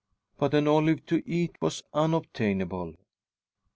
But an olive to eat was unobtainable.